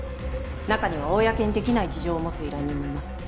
中には公にできない事情を持つ依頼人もいます。